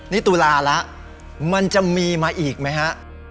นี่ตุลาแล้วมันจะมีมาอีกไหมฮะ